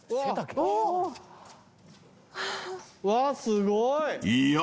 うわすごい。